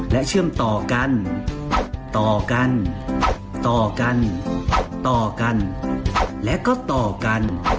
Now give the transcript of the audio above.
และเชื่อมต่อกันต่อกันต่อกันต่อกันและก็ต่อกัน